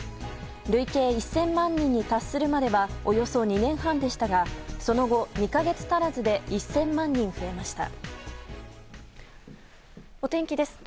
累計１０００万人に達するまではおよそ２年半でしたがその後２か月足らずで１０００万人増えました。